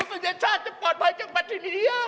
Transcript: โอ้โฮหมวดมนุษย์ตัวเย็นชาติจะปลอดภัยจากแบตเทีเรีย